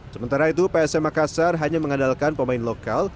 sementara itu psm makassar hanya mengandalkan pemain lokal